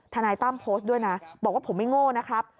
นายตั้มโพสต์ด้วยนะบอกว่าผมไม่โง่นะครับ